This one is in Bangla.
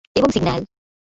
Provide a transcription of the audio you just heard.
এবং, সিগন্যাল।